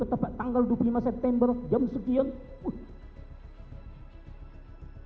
tepat tanggal dua puluh lima september jam sekian